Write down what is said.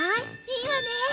いいわね！